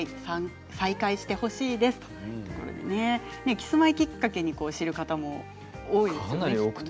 キスマイきっかけに知る方も多いようですね。